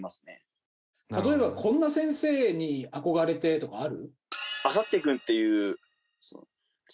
例えばこんな先生に憧れてとかある？